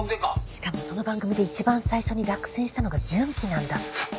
しかもその番組で一番最初に落選したのが順基なんだって。